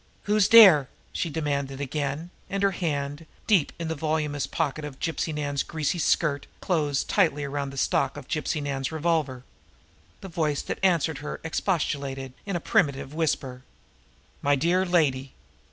"Who's dere?" she demanded again, and her hand, deep in the voluminous pocket of Gypsy Nan's greasy skirt, closed tightly around the stock of Gypsy Nan's revolver. The voice that answered her expostulated in a plaintive whisper: "My dear lady!